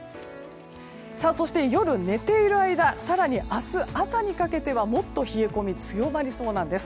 そして夜寝ている間更に明日朝にかけてはもっと冷え込みが強まりそうなんです。